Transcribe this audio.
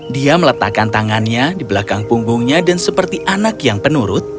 dia meletakkan tangannya di belakang punggungnya dan seperti anak yang penurut